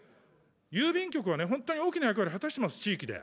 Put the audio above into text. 郵便局はね、本当に大きな役割を果たしてます、地域で。